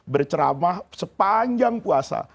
berceramah sepanjang puasa